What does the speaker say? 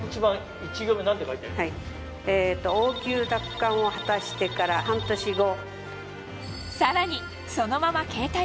「王宮奪還を果たしてから半年後」。